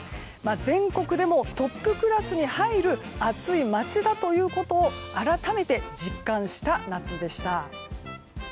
全国でもトップクラスに入る熱い街だということを改めて実感した夏でした。